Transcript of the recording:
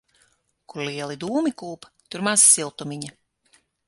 Kur lieli dūmi kūp, tur maz siltumiņa.